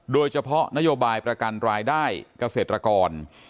โดยเฉพาะนโยบายประกันรายได้เกษตรกร